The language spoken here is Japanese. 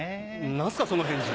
何すかその返事。